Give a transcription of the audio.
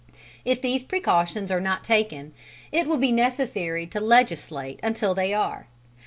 If these precautions are not taken, it will be necessary to legislate until they are.